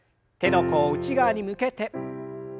手の甲を内側に向けて。